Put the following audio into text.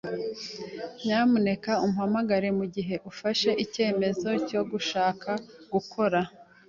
Nyamuneka umpamagare mugihe wafashe icyemezo cyo gushaka gukora.